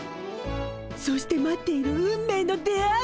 そして待っている運命の出会い。